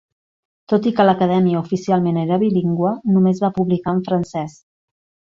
Tot i que l'Acadèmia oficialment era bilingüe, només va publicar en francès.